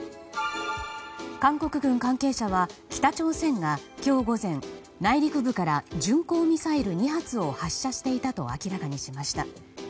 韓国軍関係者は北朝鮮が今日午前内陸部から巡航ミサイル２発を発射していたと明らかにしました。